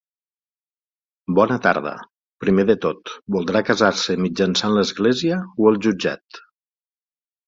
Bona tarda, primer de tot, voldrà casar-se mitjançant l'església o el jutjat?